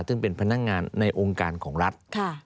ซึ่งเป็นพนักงานในองค์การของรัฐ